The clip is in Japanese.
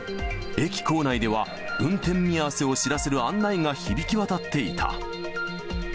駅構内では、運転見合わせを知らせる案内が響き渡っていた。